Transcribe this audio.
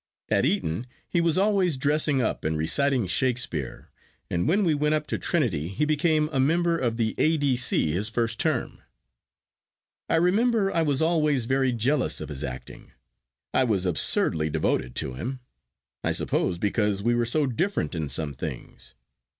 At Eton he was always dressing up and reciting Shakespeare, and when we went up to Trinity he became a member of the A.D.C. his first term. I remember I was always very jealous of his acting. I was absurdly devoted to him; I suppose because we were so different in some things.